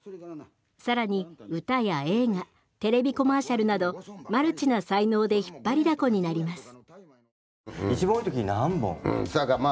更に歌や映画テレビコマーシャルなどマルチな才能でひっぱりだこになります。